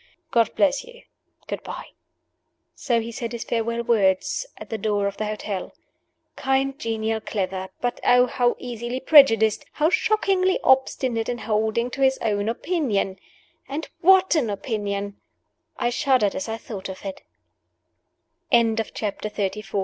God bless you! Good by." So he said his farewell words, at the door of the hotel. Kind, genial, clever but oh, how easily prejudiced, how shockingly obstinate in holding to his own opinion! And what an opinion! I shuddered as I thought of it. CHAPTER XXXV. MR. PLAYMORE'S PROPHECY.